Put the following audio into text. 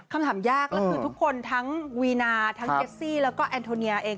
คำถามยากแล้วคือทุกคนทั้งวีนาทั้งเจสซี่แล้วก็แอนโทเนียเอง